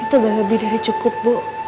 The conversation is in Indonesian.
itu udah lebih dari cukup bu